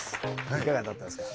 いかがだったですか？